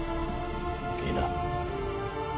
いいな？